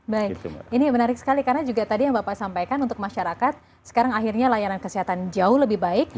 baik ini menarik sekali karena juga tadi yang bapak sampaikan untuk masyarakat sekarang akhirnya layanan kesehatan jauh lebih baik